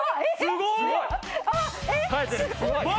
すごい！